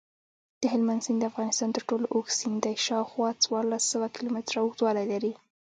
دهلمند سیند دافغانستان ترټولو اوږد سیند دی شاوخوا څوارلس سوه کیلومتره اوږدوالۍ لري.